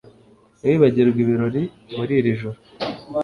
Ntiwibagirwe ibirori muri iri joro